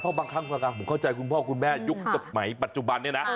เพราะบางครั้งผมเข้าใจคุณพ่อคุณแม่ยุคสมัยปัจจุบันเนี่ยนะ